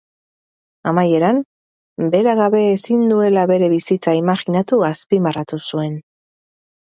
Amaieran, bera gabe ezin duela bere bizitza imajinatu azpimarratu zuen.